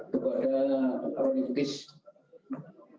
kepada tukarulikukis republik